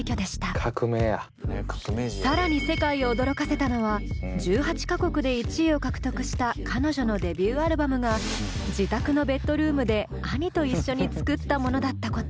更に世界を驚かせたのは１８か国で１位を獲得した彼女のデビュー・アルバムが自宅のベッドルームで兄と一緒に作ったものだったこと。